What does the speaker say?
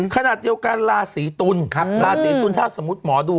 ขนาดเดียวกันราศีตุลราศีตุลถ้าสมมุติหมอดู